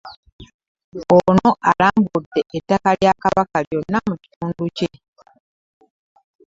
Ono alambudde ettaka lya Kabaka lyonna mu kitundu kye.